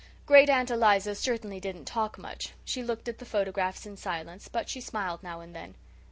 Great aunt Eliza certainly didn't talk much; she looked at the photographs in silence, but she smiled now and then.